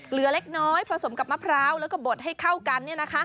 เหลือเล็กน้อยผสมกับมะพร้าวแล้วก็บดให้เข้ากัน